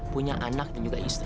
punya anak dan juga istri